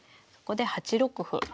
ここで８六歩。